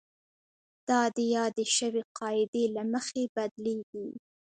دا د یادې شوې قاعدې له مخې بدلیږي.